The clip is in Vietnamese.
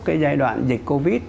cái giai đoạn dịch covid